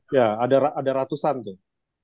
ya ada ratusan tuh